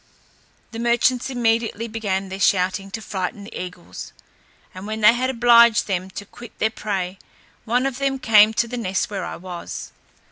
The merchants immediately began their shouting to frighten the eagles; and when they had obliged them to quit their prey, one of them came to the nest where I was.